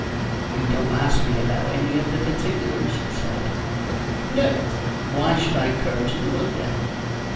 "You don't ask me about any of the particulars?" he said. "No. What should I care to know of them?"